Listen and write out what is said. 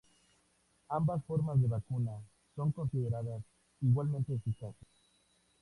Ambas formas de la vacuna son consideradas igualmente eficaces.